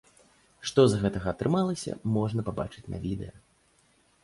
Што з гэтага атрымалася, можна пабачыць на відэа.